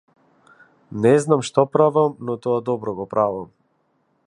Не знам што правам но тоа добро го правам.